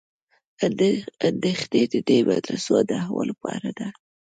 اندېښنه د دې مدرسو د احوالو په اړه ده.